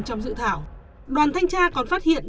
trong dự thảo đoàn thanh tra còn phát hiện